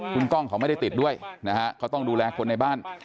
คุณกล้องเขาไม่ได้ติดด้วยนะฮะเขาต้องดูแลคนในบ้าน